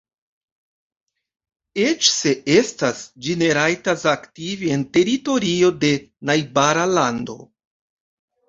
Eĉ se estas, ĝi ne rajtas aktivi en teritorio de najbara lando.